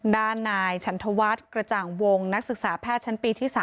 ด้านนายฉันธวัฒน์กระจ่างวงนักศึกษาแพทย์ชั้นปีที่๓